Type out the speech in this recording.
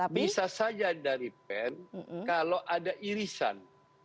bisa saja dari pen kalau ada irisan